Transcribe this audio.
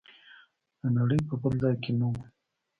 د نړۍ په بل ځای کې نه و.